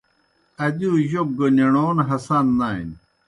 ادِیؤ جوک گہ نِݨون ہسان نانیْ۔